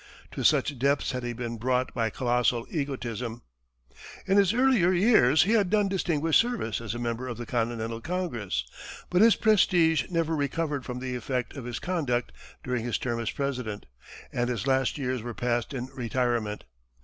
To such depths had he been brought by colossal egotism. In his earlier years, he had done distinguished service as a member of the Continental Congress, but his prestige never recovered from the effect of his conduct during his term as President, and his last years were passed in retirement.